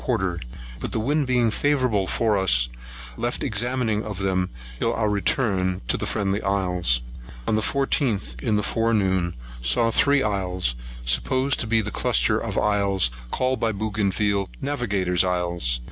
quarter; but the wind being favourable for us, left examining of them till our return to the Friendly Isles.[136 1] On the 14th, in the forenoon, saw three isles, supposed to be the cluster of isles called by Bougainville Navigator's Isles.